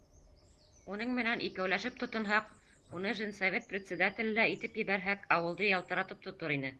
Уның менән икәүләшеп тотонһаҡ, уны женсовет председателе лә итеп ебәрһәк, ауылды ялтыратып тотор ине.